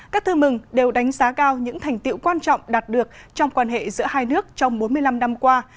các thư mừng đều đánh giá cao những thành tiệu quan trọng đạt được trong quan hệ giữa hai nước trong bốn mươi năm năm qua